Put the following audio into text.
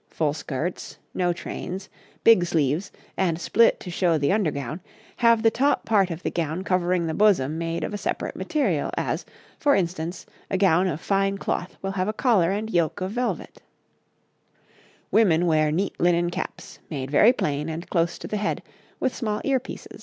The gowns themselves, though retaining the same appearance as before, full skirts, no trains, big sleeves, and split to show the under gown, have the top part of the gown covering the bosom made of a separate material, as, for instance, a gown of fine cloth will have collar and yoke of velvet. Women wear neat linen caps, made very plain and close to the head, with small ear pieces.